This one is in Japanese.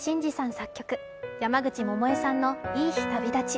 作曲山口百恵さん、「いい日旅立ち」